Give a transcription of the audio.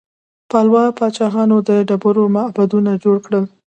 پالوا پاچاهانو د ډبرو معبدونه جوړ کړل.